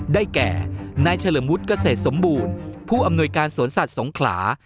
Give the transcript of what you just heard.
ได้แก่นายเฉลิมวุฒิเกษตรสมบูรณ์ผู้อำนวยการสวนสัตว์สงขลา